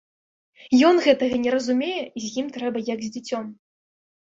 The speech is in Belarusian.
Ён гэтага не разумее і з ім трэба як з дзіцём.